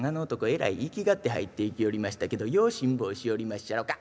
えらい粋がって入っていきよりましたけどよう辛抱しよりまっしゃろか？』。